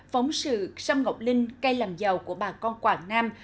phóng sự sâm ngọc linh cây làm giàu của bà con quảng nam